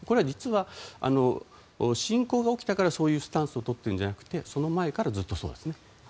実は侵攻が起きたからそういうスタンスをとっているのではなくてその前からずっとそうです。